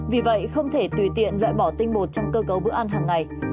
vì vậy không thể tùy tiện loại bỏ tinh bột trong cơ cấu bữa ăn hàng ngày